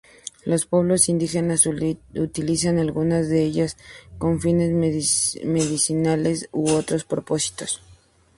Los pueblos indígenas utilizan algunas de ellas con fines medicinales u otros propósitos.